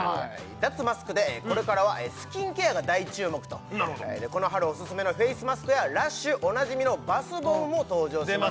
脱マスクでこれからはスキンケアが大注目とこの春おすすめのフェイスマスクやＬＵＳＨおなじみのバスボムも登場します